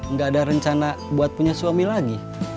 nggak ada rencana buat punya suami lagi